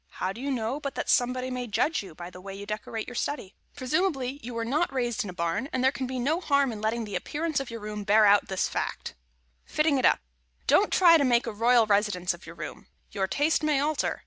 How do you know but that somebody may judge you by the way you decorate your study? Presumably, you were not raised in a barn, and there can be no harm in letting the appearance of your room bear out this as fact. [Sidenote: FITTING IT UP] Don't try to make a royal residence of your room. Your taste may alter.